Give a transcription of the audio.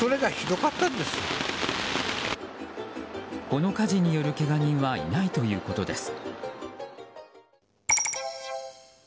この火事による、けが人はいないということです。